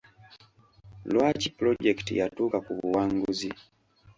Lwaki pulojekiti yatuuka ku buwanguzi?